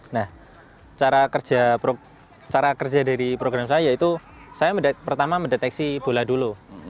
nah cara kerja dari program saya itu saya pertama mendeteksi bola dulu